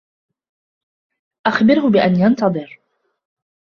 أخبره بأن ينتظر